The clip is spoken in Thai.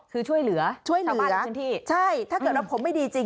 คือช่วยเหลือช่วยเหลือใช่ถ้าเกิดแล้วผมไม่ดีจริง